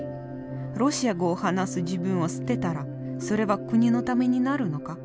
ロシア語を話す自分を捨てたらそれは国のためになるのか？